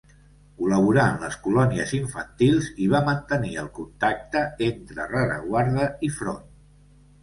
Col·laborà en les colònies infantils i va mantenir el contacte entre rereguarda i front.